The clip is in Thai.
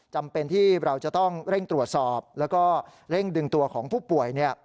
จำเป็นที่เราจะต้องเร่งตรวจสอบแล้วก็เร่งดึงตัวของผู้ป่วย